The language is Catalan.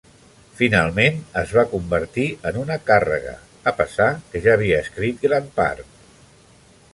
Finalment, es va convertir en una càrrega, a pesar que ja havia escrit gran part.